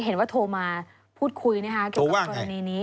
เห็นว่าโทรมาพูดคุยเกี่ยวกับกรณีนี้